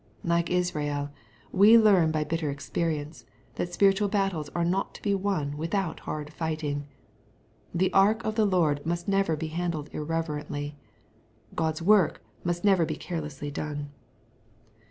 Like Israel, we often learn by bitter experience, that spirituiil battles are not to be won without hard fighting. The ark of the Lord must never be handled irreverently. God's work must never be carelessly done.